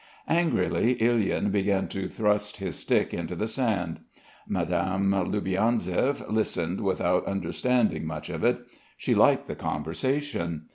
Angrily Ilyin began to thrust his stick into the sand. Madame Loubianzev listened without understanding much of it; she liked the conversation.